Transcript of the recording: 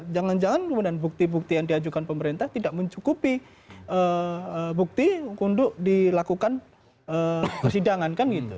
jangan jangan kemudian bukti bukti yang diajukan pemerintah tidak mencukupi bukti untuk dilakukan persidangan kan gitu